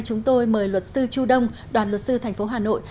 chúng tôi mời luật sư chu đông đoàn luật sư thành phố hà nội